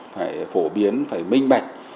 phải phổ biến phải minh mạch